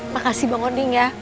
makasih bang odin ya